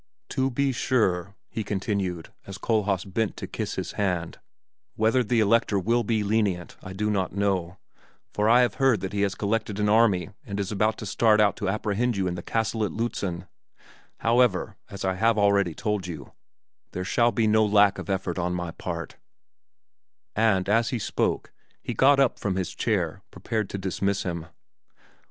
"To be sure," he continued, as Kohlhaas bent to kiss his hand, "whether the Elector will be lenient, I do not know, for I have heard that he has collected an army and is about to start out to apprehend you in the castle at Lützen; however, as I have already told you, there shall be no lack of effort on my part" and, as he spoke, he got up from his chair prepared to dismiss him.